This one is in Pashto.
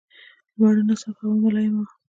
لمرونه صاف او هوا ملایمه وه.